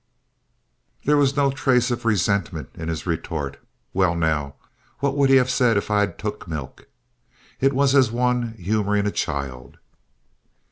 There was no trace of resentment in his retort: "Well, now, what would he have said if I'd took milk?" It was as one humoring a child.